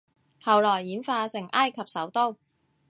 後來演化成埃及首都